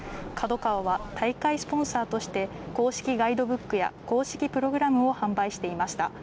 ＫＡＤＯＫＡＷＡは、大会スポンサーとして、公式ガイドブックや公式プログラムを販売していました。